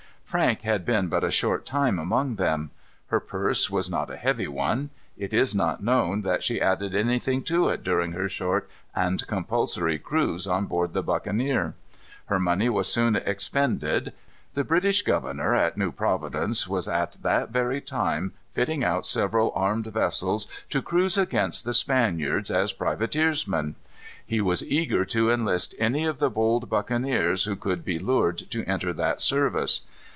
Frank had been but a short time among them. Her purse was not a heavy one. It is not known that she added anything to it during her short and compulsory cruise on board the buccaneer. Her money was soon expended. The British governor at New Providence was at that very time fitting out several armed vessels to cruise against the Spaniards, as privateersmen. He was eager to enlist any of the bold buccaneers who could be lured to enter that service.